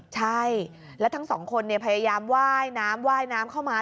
ใช่แล้วทั้งสองคนพยายามไหว้น้ำว่ายน้ำเข้ามา